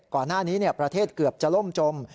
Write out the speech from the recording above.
ก่อนหน้านี้ประเทศเกือบจะล่มจม